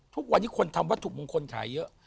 ทุกวันนี้คนทำวัตถุมงคลขายเยอะ